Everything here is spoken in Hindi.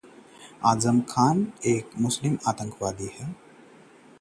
आजम खान का विवादों से नाता है पुराना